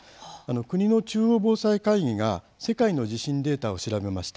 国の中央防災会議が世界の地震データを調べました。